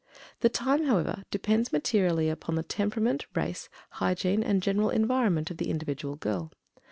The time, however, depends materially upon the temperament, race, hygiene, and general environment of the individual girl.